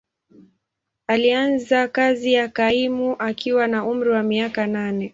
Alianza kazi ya kaimu akiwa na umri wa miaka nane.